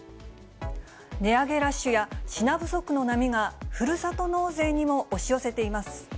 値上げラッシュや、品不足の波がふるさと納税にも押し寄せています。